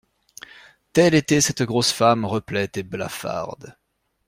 Telle était cette grosse femme replète et blafarde.